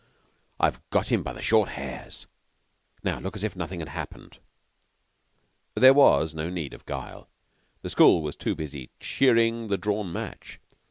_ I've got him by the short hairs! Now look as if nothing had happened." There was no need of guile. The school was too busy cheering the drawn match.